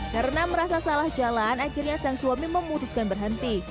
karena merasa salah jalan akhirnya sang suami memutuskan berhenti